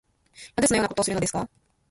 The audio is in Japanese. なぜそのようなことをするのですか